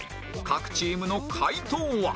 各チームの解答は？